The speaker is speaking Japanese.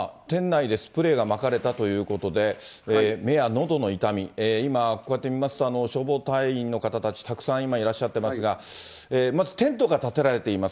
店内でスプレーがまかれたということで、目やのどの痛み、今こうやって見ますと、消防隊員の方たち、たくさん今、いらっしゃっていますが、まずテントがたてられています。